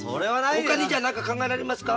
ほかにじゃ何か考えられますか？